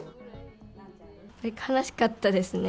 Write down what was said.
悲しかったですね。